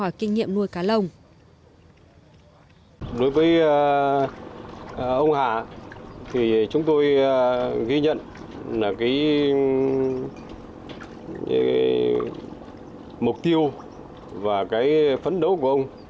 đối với ông hà chúng tôi ghi nhận mục tiêu và phấn đấu của ông